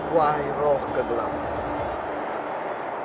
wahai roh kegelapan